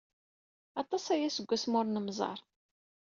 Aṭas aya seg wasmi ur nemmẓer.